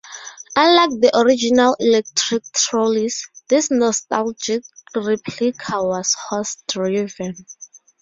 Unlike the original electric trolleys, this nostalgic replica was horse driven.